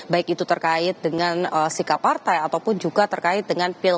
baik itu terkait dengan sikap partai ataupun juga terkait dengan pilpres